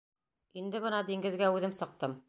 Инде бына диңгеҙгә үҙем сыҡтым.